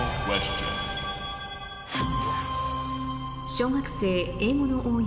小学生英語の応用